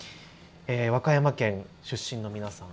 和歌山県出身の皆さん